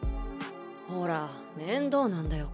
ほら面倒なんだよ